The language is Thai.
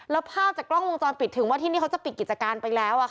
แล้วภาพจากกล้องวงจรปิดถึงว่าที่นี่เขาจะปิดกิจการไปแล้ว